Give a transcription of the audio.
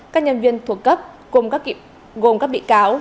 các nhân viên thuộc cấp gồm các bị cáo